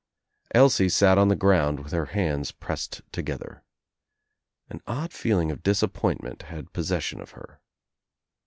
Elsie sat on the ground with her hands pressed together. An odd feeling of disappointment had pos session of her.